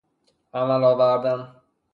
عمل آوردن